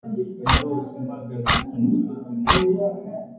narose mpagaze kumusozi muto